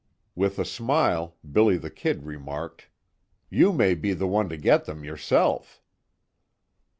With a smile, "Billy the Kid" remarked: "You may be the one to get them yourself."